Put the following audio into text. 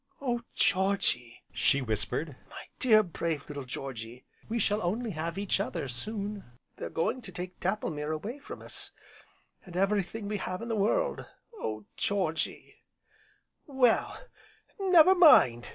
"Oh Georgy!" she whispered, "my dear, brave little Georgy! We shall only have each other soon, they're going to take Dapplemere away from us, and everything we have in the world, Oh Georgy!" "Well, never mind!"